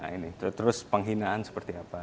nah ini terus penghinaan seperti apa